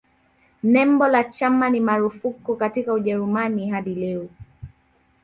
Nembo la chama ni marufuku katika Ujerumani hadi leo.